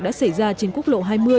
đã xảy ra trên quốc lộ hai mươi